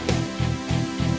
saya yang menang